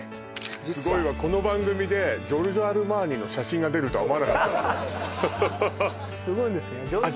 実はすごいわこの番組でジョルジオ・アルマーニの写真が出るとは思わなかったわすごいんですねあっ